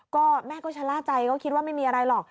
ก็แม่ก็ชะล่าใจก็คิดว่าไม่มีอะไรหรอก